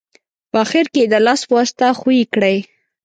په اخیر کې یې د لاس په واسطه ښوي کړئ.